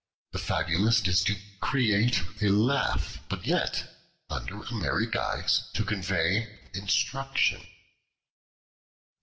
The fabulist is to create a laugh, but yet, under a merry guise, to convey instruction.